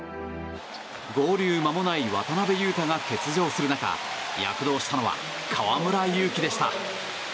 合流間もない渡邊雄太が欠場する中躍動したのは河村勇輝でした。